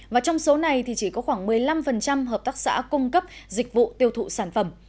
và trong số này thì chỉ có khoảng một mươi năm hợp tác xã cung cấp dịch vụ tiêu thụ sản phẩm